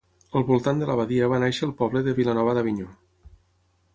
Al voltant de l'abadia va néixer el poble de Vilanova d'Avinyó.